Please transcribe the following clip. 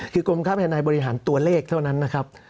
คือกรมค้าภายในบริหารตัวเลขเท่านั้นนะครับ